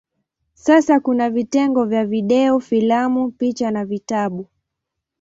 Sasa kuna vitengo vya video, filamu, picha na vitabu.